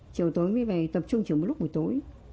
phải tập trung chỉ một lúc buổi tối